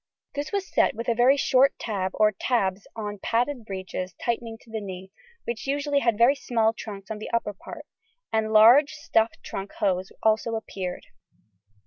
This was set with a very short tab or tabs on padded breeches tightening to the knee, which usually had very small trunks on the upper part, and large, stuffed trunk hose also appeared.